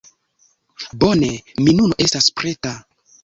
Bone, mi nun estas preta.